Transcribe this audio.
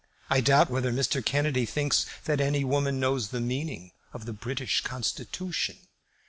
I doubt whether Mr. Kennedy thinks that any woman knows the meaning of the British Constitution."